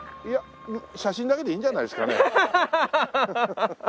いや写真だけでいいんじゃないですかね。